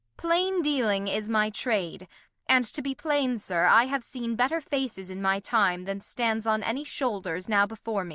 Kent. Plain Dealing is my Trade, and to be plain, Sir, I have seen better Faces in my Time, Then stands on any Shoulders now before me.